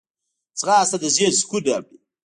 ځغاسته د ذهن سکون راوړي